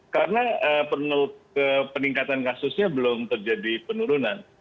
karena peningkatan kasusnya belum terjadi penurunan